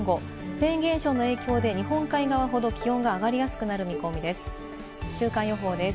フェーン現象の影響で日本海側ほど気温が上がりやすくなる見込みです。